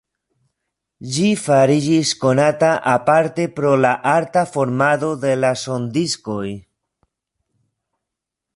Ĝi fariĝis konata aparte pro la arta formado de la sondiskoj.